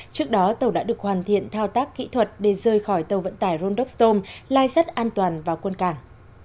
trước đó tàu đã được hoàn thiện thao tác kỹ thuật để rơi khỏi tàu vận tải rondop storm lai sắt an toàn vào quân càng